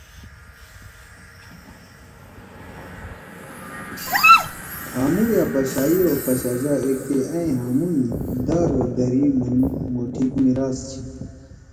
کھامُو یأ پشائی او پشاچہ ایک تھی ائں ہامُو ئی دار او درد ئی مُھن مُوٹھیِک میِراث چھی۔